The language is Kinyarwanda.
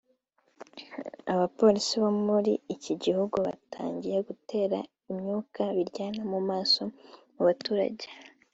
Abapolisi bo muri iki gihugu batangiye gutera ibyuka biryana mu maso mu baturage